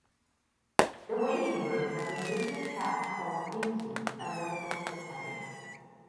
The waiting room has a ginger cat called Dinky available for petting.